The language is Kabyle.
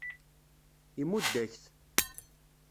Imudd-ak-t.